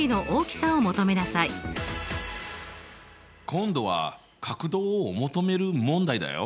今度は角度を求める問題だよ。